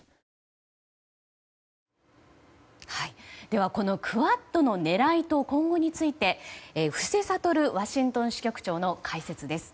ではこのクアッドの狙いと今後について布施哲ワシントン支局長の解説です。